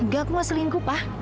enggak aku gak selingkuh pa